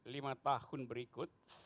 lima tahun berikut